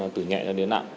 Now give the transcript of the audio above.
từ nhẹ đến nặng